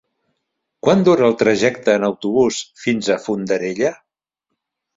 Quant dura el trajecte en autobús fins a Fondarella?